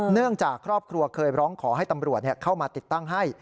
เนื่องจากครอบครัวเคยร้องขอให้ตำรวจเข้ามาติดตั้งให้